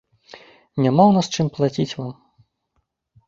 Няма ў нас чым плаціць вам.